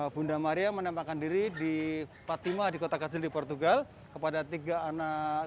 bunda maria menampakkan diri di fatima di kota kecil di portugal kepada tiga anak